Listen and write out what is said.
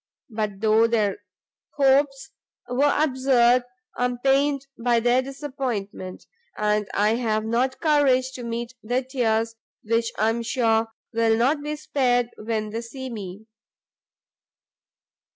But though their hopes were absurd, I am pained by their disappointment, and I have not courage to meet their tears, which I am sure will not be spared when they see me."